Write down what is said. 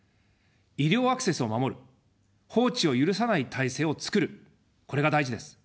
医療アクセスを守る、放置を許さない体制を作る、これが大事です。